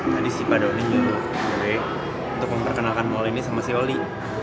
tadi si pak doni nyuruh gue untuk memperkenalkan mal ini sama si oli